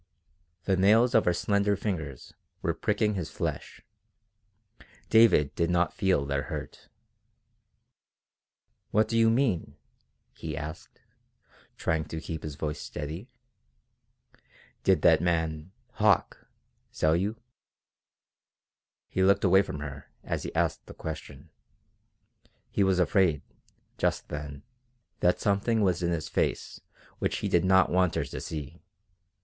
The nails of her slender fingers were pricking his flesh. David did not feel their hurt. "What do you mean?" he asked, trying to keep his voice steady. "Did that man Hauck sell you?" He looked away from her as he asked the question. He was afraid, just then, that something was in his face which he did not want her to see.